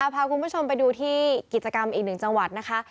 พาคุณผู้ชมไปดูที่กิจกรรมอีกหนึ่งจังหวัดนะคะ